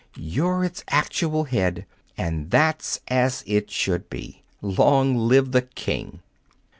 You're its actual head. And that's as it should be. Long live the King!"